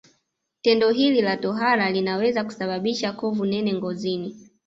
Tendo hili la tohara linaweza kusababisha kovu nene ngozini